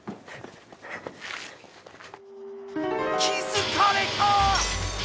気づかれた！